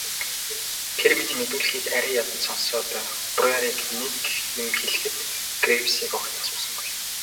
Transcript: Тэр миний мэдүүлгийг арай ядан сонсоод Бруерыг нэг юм хэлэхэд Гривсыг огт асуусангүй.